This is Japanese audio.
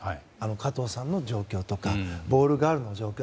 加藤さんの状況とかボールガールの状況